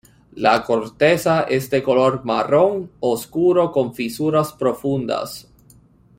La corteza es de color marrón oscuro, con fisuras profundas.